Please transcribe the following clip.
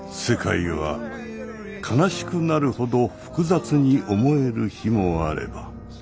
世界は悲しくなるほど複雑に思える日もあれば。